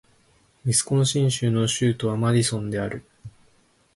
ウィスコンシン州の州都はマディソンである